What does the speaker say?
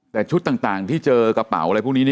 แต่ชุดต่างที่เจอกระเป๋าอะไรพวกนี้